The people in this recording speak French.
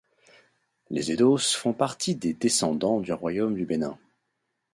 Les Edos font partie des descendants du royaume du Bénin.